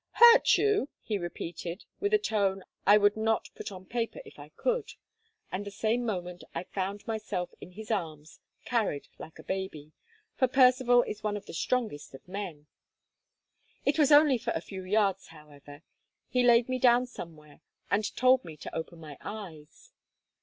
"Hurt you!" he repeated, with a tone I would not put on paper if I could, and the same moment I found myself in his arms, carried like a baby, for Percivale is one of the strongest of men. It was only for a few yards, however. He laid me down somewhere, and told me to open my eyes.